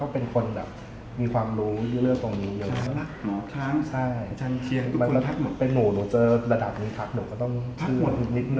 ไปกราบท่านหาภูมิลัย